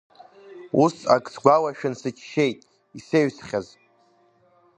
Ус ак сгәалашәан сыччеит, исеҩсхьаз.